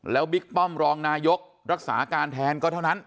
แล้วบิ๊กป้อมรองนายกรักษาการแทนก็เท่านั้น